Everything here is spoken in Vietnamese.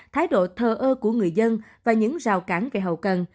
thái độ thờ ơ của người dân và những rào cản về hậu cần